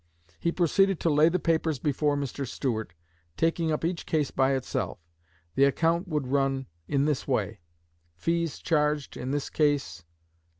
He proceeded to lay the papers before Mr. Stuart, taking up each case by itself. The account would run in this way: Fees charged in this case................